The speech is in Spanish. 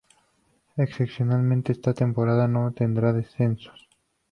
Excepcionalmente, esta temporada no tendrá descensos.